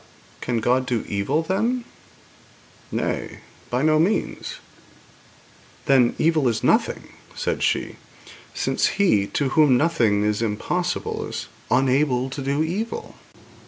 'But can God do evil, then?' 'Nay; by no means.' 'Then, evil is nothing,' said she, 'since He to whom nothing is impossible is unable to do evil.'